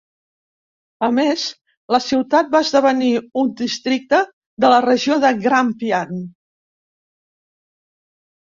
A més, la ciutat va esdevenir un districte de la regió de Grampian.